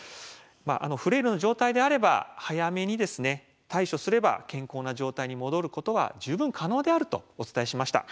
フレイルの状態であれば早めに対処すれば健康な状態に戻ることは十分可能であるとお伝えしました。